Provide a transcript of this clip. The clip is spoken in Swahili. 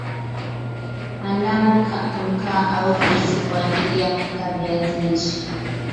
Andaa mkaa au gesi kwa ajili ya kupika viazi lishe